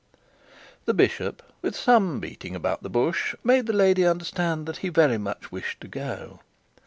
The bishop with some beating about the bush, made the lady understand that he very much wished to go.